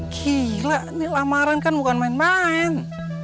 gila ini lamaran bukan main main